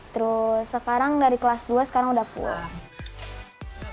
terus sekarang dari kelas dua sekarang sudah puasa